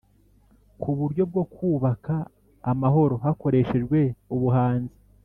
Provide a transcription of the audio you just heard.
Ku buryo bwo kubaka amahoro hakoreshejwe ubuhanzi